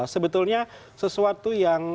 sebetulnya sesuatu yang